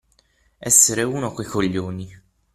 Essere uno coi coglioni.